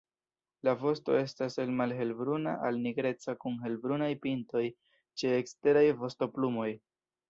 La vosto estas el malhelbruna al nigreca kun helbrunaj pintoj ĉe eksteraj vostoplumoj.